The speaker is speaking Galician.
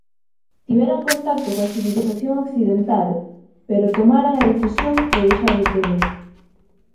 Tiveran contacto coa civilización occidental, pero tomaran a decisión de deixar de telo.